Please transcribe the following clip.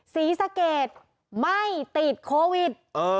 ศรีสะเกดไม่ติดโควิด